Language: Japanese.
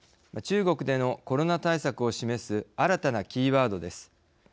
中国でのコロナ対策を示す新たなキーワードです。